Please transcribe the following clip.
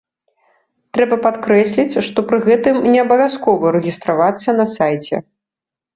Трэба падкрэсліць, што пры гэтым не абавязкова рэгістравацца на сайце.